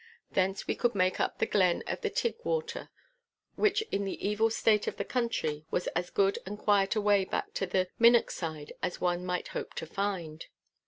Thence we could make up the glen of the Tigg Water, which in the evil state of the country was as good and quiet a way back to Minnochside as one might hope to find.